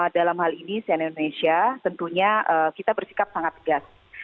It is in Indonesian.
dalam hal ini cnn indonesia tentunya kita bersikap sangat tegas